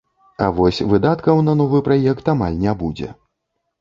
А вось выдаткаў на новы праект амаль не будзе.